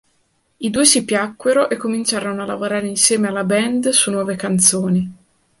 I due si piacquero e cominciarono a lavorare insieme alla band su nuove canzoni.